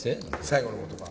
最後の言葉。